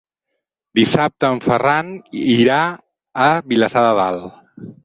Dissabte en Ferran irà a Vilassar de Dalt.